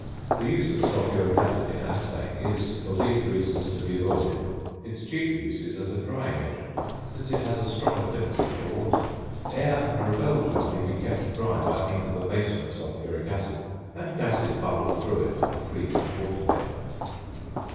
The use of sulphuric acid in assaying is (for these reasons) to be avoided. Its chief use is as a drying agent, since it has a strong affinity for water. Air under a bell jar may be kept dry by means of a basin of sulphuric acid, and gases bubbled through it are freed from water vapour.